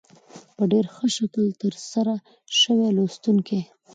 په ډېر ښه شکل تر سره شوې لوستونکي